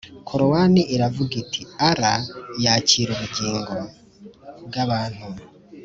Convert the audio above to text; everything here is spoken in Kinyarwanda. korowani iravuga iti “allah yakira ubugingo (bw’abantu)